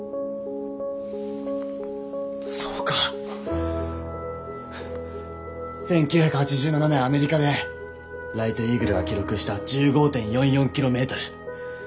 そうか１９８７年アメリカでライトイーグルが記録した１５．４４キロメートル。